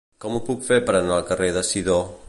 Com ho puc fer per anar al carrer de Sidó?